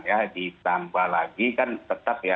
ya ditambah lagi kan tetap ya